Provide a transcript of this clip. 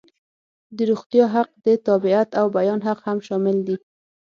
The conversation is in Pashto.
د روغتیا حق، د تابعیت او بیان حق هم شامل دي.